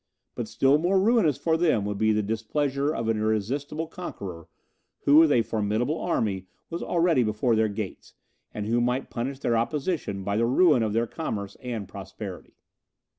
But still more ruinous for them would be the displeasure of an irresistible conqueror, who, with a formidable army, was already before their gates, and who might punish their opposition by the ruin of their commerce and prosperity.